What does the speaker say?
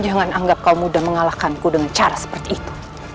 jangan anggap kau mudah mengalahkanku dengan cara seperti itu